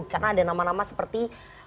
karena ada nama nama seperti